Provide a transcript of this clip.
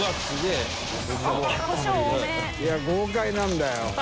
い豪快なんだよ